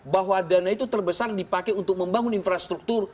bahwa dana itu terbesar dipakai untuk membangun infrastruktur